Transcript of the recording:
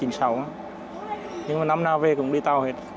nhưng mà năm nào về cũng đi tàu hết